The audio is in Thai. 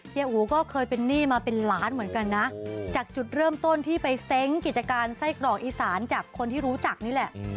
อู๋ก็เคยเป็นหนี้มาเป็นล้านเหมือนกันนะจากจุดเริ่มต้นที่ไปเซ้งกิจการไส้กรอกอีสานจากคนที่รู้จักนี่แหละ